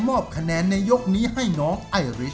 สุดซู่ซ่ายกกำลังซ่าออกมาสูดซู่